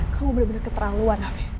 kamu bener bener keterlaluan afi